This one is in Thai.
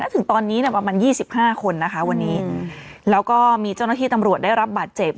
ถึงตอนนี้เนี่ยประมาณ๒๕คนนะคะวันนี้แล้วก็มีเจ้าหน้าที่ตำรวจได้รับบาดเจ็บ